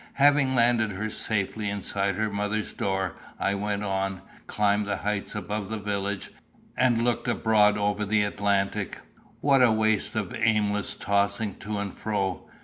Having landed her safely inside her mother's door, I went on, climbed the heights above the village, and looked abroad over the Atlantic. What a waste of aimless tossing to and fro!